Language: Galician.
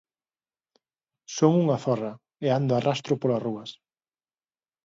Son unha zorra e ando a rastro polas rúas